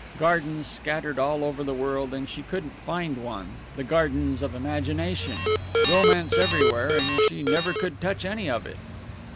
Gardens scattered all over the world, and she couldn't find one the gardens of imagination! Romance everywhere, and she never could touch any of it!